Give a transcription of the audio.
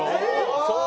そう。